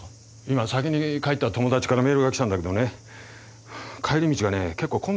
今先に帰った友達からメールが来たんだけどね帰り道がね結構混んでるんだ。